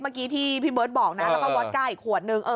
เมื่อกี้ที่พี่เบิร์ตบอกนะแล้วก็วัดก้าอีกขวดนึง